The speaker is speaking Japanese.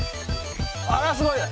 あらすごいね！